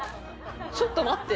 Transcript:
「ちょっと待って」